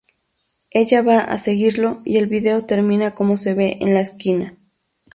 Ella va a seguirlo y el video termina como se ve en la esquina.